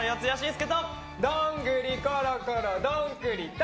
どんぐりころころどんぐりぱ！